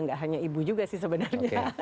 nggak hanya ibu juga sih sebenarnya